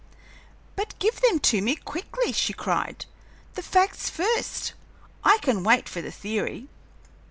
"But give them to me quickly!" she cried. "The facts first I can wait for the theory."